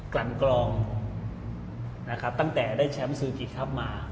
กันกรองนะครับตั้งแต่ได้แชมป์ซูจีครับมา